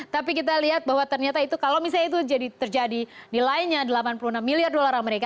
tapi kita lihat bahwa ternyata itu kalau misalnya itu terjadi nilainya delapan puluh enam miliar dolar amerika